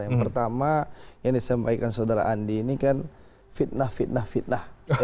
yang pertama yang disampaikan saudara andi ini kan fitnah fitnah fitnah